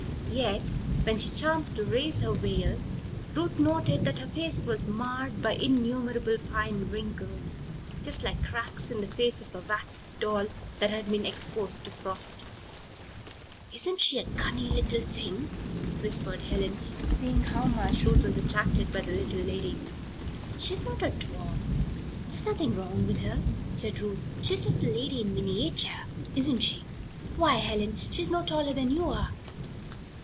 Yet, when she chanced to raise her veil, Ruth noted that her face was marred by innumerable fine wrinkles just like cracks in the face of a wax doll that had been exposed to frost. "Isn't she a cunning little thing?" whispered Helen, seeing how much Ruth was attracted by the little lady. "She's not a dwarf. There's nothing wrong with her," said Ruth. "She's just a lady in miniature; isn't she? Why, Helen, she's no taller than you are."